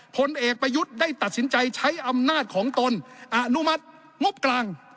ผลเอกประยุทธ์ได้ตัดสินใจใช้อำนาจของตนอนุมัติงบกลาง